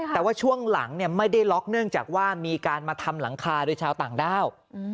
แต่ว่าช่วงหลังไม่ได้ล็อกเนื่องจากว่ามีการมาทำหลังคาโดยชาวต่างด้าว